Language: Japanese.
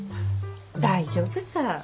大丈夫さ。